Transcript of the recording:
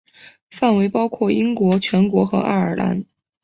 范围包括英国全国和爱尔兰。